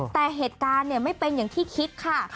แต่เหตุการณ์ไม่เป็นอย่างที่คิดค่ะ